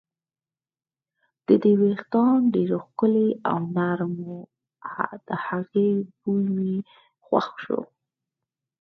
د دې وېښتان ډېر ښکلي او نرم وو، د هغې بوی مې خوښ و.